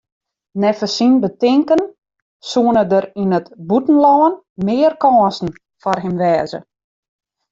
Neffens syn betinken soene der yn it bûtenlân mear kânsen foar him wêze.